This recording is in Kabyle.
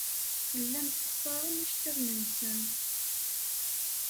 Llan ssexṣaren iceḍḍiḍen-nsen.